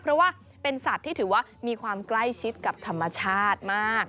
เพราะว่าเป็นสัตว์ที่ถือว่ามีความใกล้ชิดกับธรรมชาติมาก